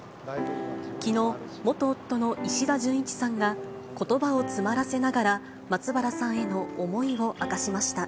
きのう、元夫の石田純一さんがことばを詰まらせながら、松原さんへの思いを明かしました。